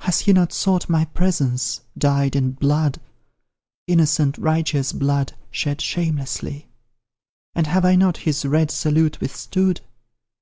Has he not sought my presence, dyed in blood Innocent, righteous blood, shed shamelessly? And have I not his red salute withstood?